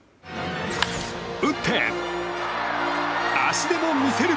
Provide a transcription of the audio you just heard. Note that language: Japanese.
打って、足でも見せる！